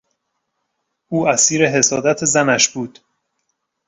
او اسیر حسادت زنش بود.